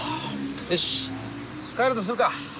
よし帰るとするか。